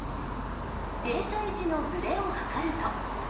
停車位置のずれをはかると。